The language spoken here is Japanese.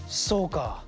そうか！